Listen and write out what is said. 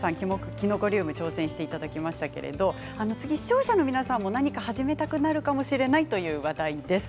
きのこリウムに挑戦していただきましたが視聴者の皆さんも何かを始めたくなるかもしれないという話題です。